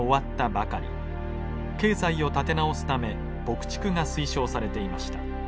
経済を立て直すため牧畜が推奨されていました。